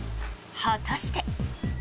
果たして。